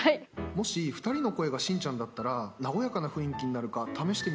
もし２人の声がしんちゃんだったら和やかな雰囲気になるか試してみてもいいですか？